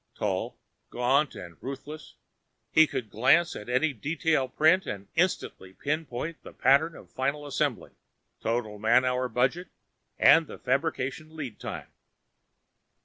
Tall, gaunt and ruthless, he could glance at any detail print and instantly pinpoint the pattern of final assembly, total man hour budget and fabrication lead time.